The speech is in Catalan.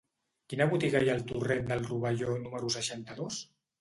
Quina botiga hi ha al torrent del Rovelló número seixanta-dos?